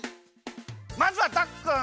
まずはダクくん。